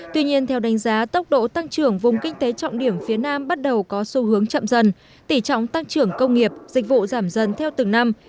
tuy nhiên theo đánh giá tốc độ tăng trưởng vùng kinh tế trọng điểm phía nam bắt đầu có xu hướng chậm dần tỉ trọng tăng trưởng công nghiệp dịch vụ giảm dần theo từng năm